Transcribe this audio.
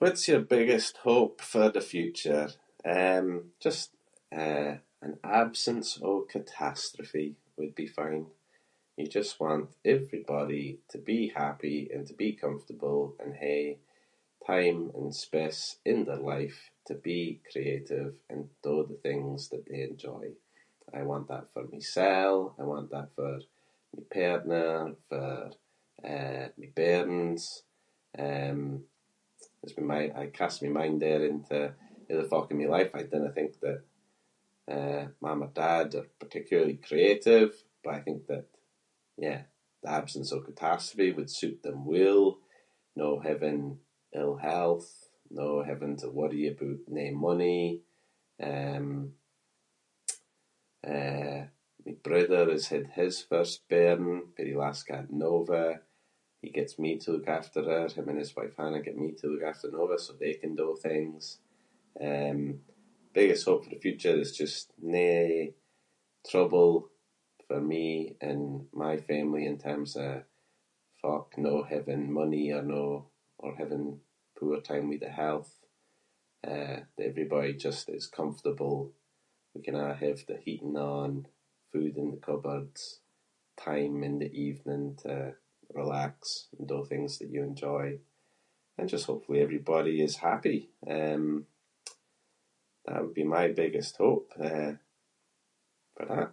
What’s your biggest hope for the future? Um, just, eh, an absence of catastrophe would be fine. You just want everybody to be happy and to be comfortable and hae time and space in their life to be creative and do the things that they enjoy. I want that for mysel, I want that for my partner, for, eh, my bairns. Um, it’s been my- I cast my mind there onto other folk in my life- I dinna think that, eh, mam or dad are particularly creative but I think that, yeah, the absence of catastrophe would suit them well. No having ill health, no having to worry aboot no money. Um, eh, my brother has had his first bairn- peerie lass ca’ed Nova. He gets me to look after her- him and his wife Hannah get me to look after Nova so they can do things. Um, biggest hope for the future is just no trouble for me and my family in terms of folk no having money or no- or having poor time with their health . Uh, that everybody just is comfortable. We can a’ have the heating on, food in the cupboards, time in the evening to relax and do things that you enjoy. And just hopefully everybody is happy. Um, that would be my biggest hope, eh, for that.